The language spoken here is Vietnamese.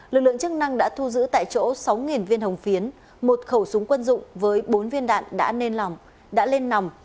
lực lượng chức năng đã thu giữ tại chỗ sáu viên hồng phiến một khẩu súng quân dụng với bốn viên đạn đã lên lòng